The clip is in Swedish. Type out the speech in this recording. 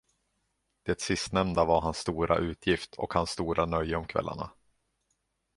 Det sistnämnda var hans stora utgift och hans stora nöje om kvällarna.